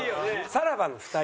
さらばの２人。